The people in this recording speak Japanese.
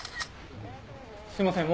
すいません